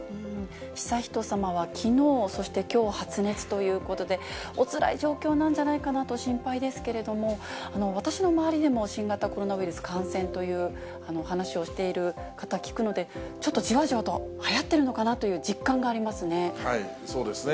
悠仁さまはきのう、そしてきょう、発熱ということで、おつらい状況なんじゃないかなと心配ですけれども、私の周りでも新型コロナウイルス感染という話をしている方、聞くので、ちょっとじわじわとはやってるのかなという実感がありそうですね。